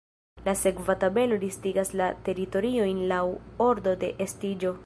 La sekva tabelo listigas la teritoriojn laŭ ordo de estiĝo.